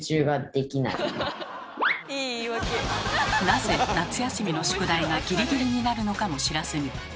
なぜ夏休みの宿題がギリギリになるのかも知らずに。